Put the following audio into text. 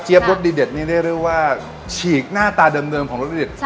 เจี๊ยบรถดีเด็ดนี้ได้เรียกว่าฉีกหน้าตาเดิมของรถดีเด็ด